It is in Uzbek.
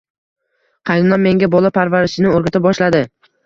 Qaynonam menga bola parvarishini o`rgata boshladi